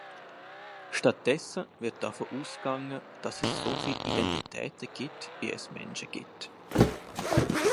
Stattdessen wird davon ausgegangen, dass es so viele Identitäten gibt, wie es Menschen gibt.